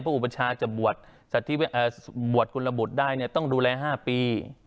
พระอุปชาจะบวัดบวัดคุณระบุได้เนี่ยต้องดูแลห้าปี